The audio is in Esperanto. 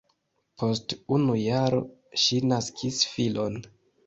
Post unu jaro ŝi naskis filon.